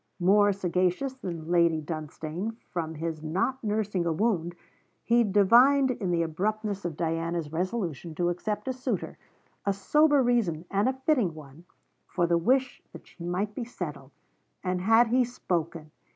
More sagacious than Lady Dunstane, from his not nursing a wound, he divined in the abruptness of Diana's resolution to accept a suitor, a sober reason, and a fitting one, for the wish that she might be settled. And had he spoken!